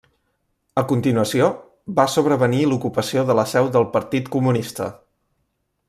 A continuació, va sobrevenir l'ocupació de la seu del Partit Comunista.